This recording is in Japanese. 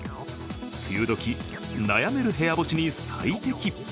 梅雨時、悩める部屋干しに最適。